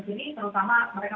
di beberapa negara eropa